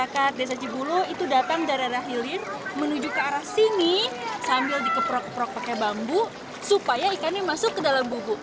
kita sini sambil dikeprok keprok pakai bambu supaya ikannya masuk ke dalam bubu